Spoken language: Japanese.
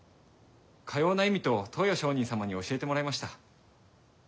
かような意味と登譽上人様に教えてもらいました。